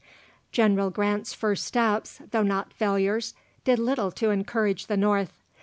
General Grant's first steps, though not failures, did little to encourage the North.